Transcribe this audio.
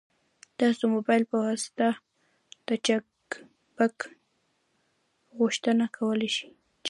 تاسو د موبایل په واسطه د چک بک غوښتنه کولی شئ.